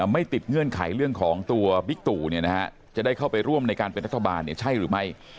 ไม่ติดเงื่อนไขเรื่องของตัวบิ๊กตู่จะได้เข้าไปร่วมในการเป็นรัฐบาลใช่หรือไม่